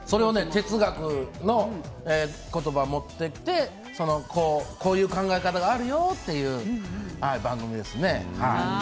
哲学の言葉を持ってきてこういう考え方があるよという番組ですね。